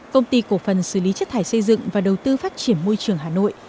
công ty cổ phần xử lý chất thải xây dựng và đầu tư phát triển môi trường hà nội